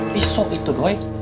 bisa itu doi